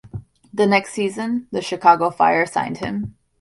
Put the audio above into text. The next season, the Chicago Fire signed him.